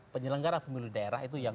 penyelenggara pemilu daerah itu yang